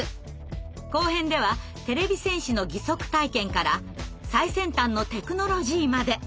後編ではてれび戦士の義足体験から最先端のテクノロジーまで。